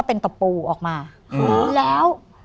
โปรดติดตามต่อไป